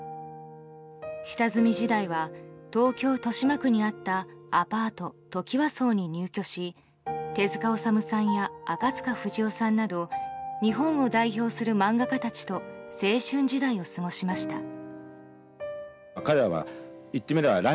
下積み時代は東京・豊島区にあったアパート、トキワ荘に入居し手塚治虫さんや赤塚不二夫さんなど日本を代表する漫画家たちと青春時代を過ごしました。